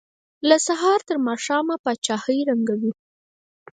له سهاره تر ماښامه پاچاهۍ ړنګوي.